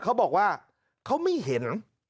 เขาบอกว่าเขาไม่เห็น